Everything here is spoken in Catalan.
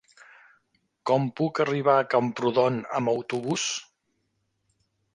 Com puc arribar a Camprodon amb autobús?